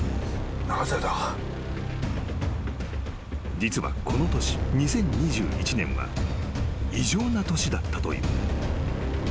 ［実はこの年２０２１年は異常な年だったという］